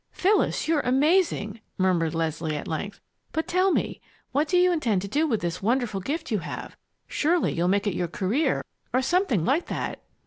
"Phyllis, you're amazing!" murmured Leslie, at length. "But, tell me what do you intend to do with this wonderful gift you have? Surely you'll make it your career or something like that!"